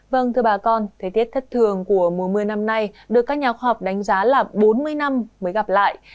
vâng thưa bà con thời tiết thất thường của mùa mưa năm nay được các nhà khoa học đánh giá là bốn mươi năm mới gặp lại